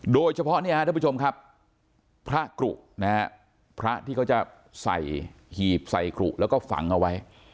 โดยเฉพาะเนี่ยฮะท่านผู้ชมครับพระกรุนะฮะพระที่เขาจะใส่หีบใส่กรุแล้วก็ฝังเอาไว้